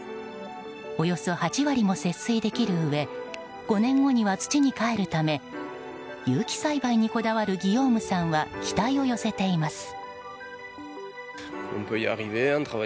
およそ８割も節水できるうえ５年後には土にかえるため有機栽培にこだわるギヨームさんは期待を寄せています。